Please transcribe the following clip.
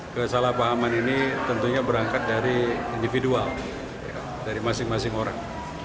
kesalahpahaman ini tentunya berangkat dari individual dari masing masing orang